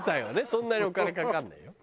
そんなにお金かかんないよ。